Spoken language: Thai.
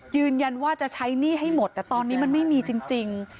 ยืนยันว่าจะใช้หนี้ให้หมดแต่ตอนนี้มันไม่มีจริง